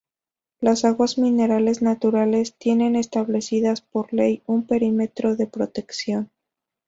Las aguas minerales naturales tienen establecidas por ley un perímetro de protección.